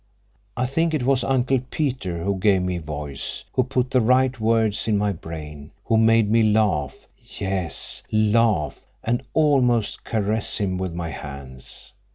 I think it was Uncle Peter who gave me voice, who put the right words in my brain, who made me laugh—yes, laugh, and almost caress him with my hands.